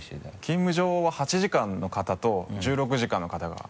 勤務上は８時間の方と１６時間の方が。